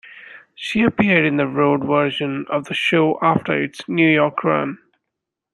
She appeared in the road version of the show after its New York run.